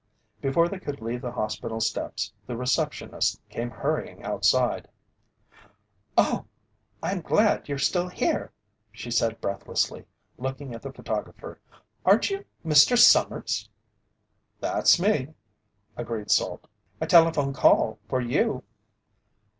Before they could leave the hospital steps, the receptionist came hurrying outside. "Oh, I'm glad you're still here!" she said breathlessly, looking at the photographer. "Aren't you Mr. Sommers?" "That's me," agreed Salt. "A telephone call for you."